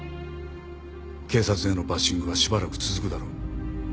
警察へのバッシングはしばらく続くだろう。